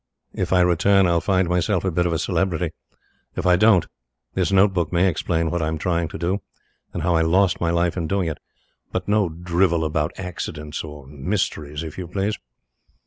If I return, I'll find myself a bit of a celebrity. If I don't this note book may explain what I am trying to do, and how I lost my life in doing it. But no drivel about accidents or mysteries, if YOU please.